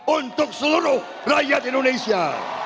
untuk seluruh rakyat indonesia